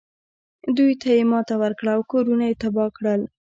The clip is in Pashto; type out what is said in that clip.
دوی ته یې ماتې ورکړه او کورونه یې تباه کړل.